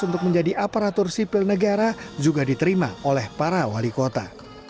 untuk menjadi aparatur sipil negara juga diterima oleh para wali kota